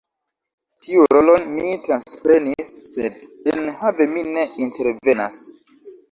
Tiun rolon mi transprenis, sed enhave mi ne intervenas.